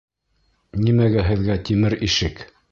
Нимәгә һеҙгә тимер ишек?!